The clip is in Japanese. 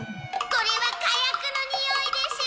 これは火薬のにおいです！